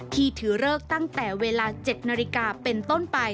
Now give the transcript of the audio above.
ถือเลิกตั้งแต่เวลา๗นาฬิกาเป็นต้นไป